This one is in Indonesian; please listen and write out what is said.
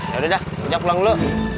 yaudah dah jauh pulang dulu